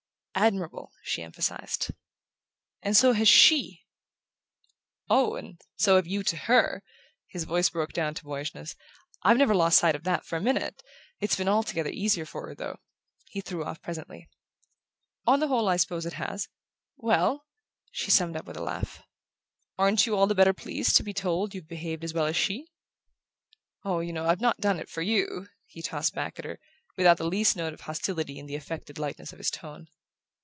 "Admirable," she emphasized. "And so has SHE." "Oh, and so have you to HER!" His voice broke down to boyishness. "I've never lost sight of that for a minute. It's been altogether easier for her, though," he threw off presently. "On the whole, I suppose it has. Well " she summed up with a laugh, "aren't you all the better pleased to be told you've behaved as well as she?" "Oh, you know, I've not done it for you," he tossed back at her, without the least note of hostility in the affected lightness of his tone.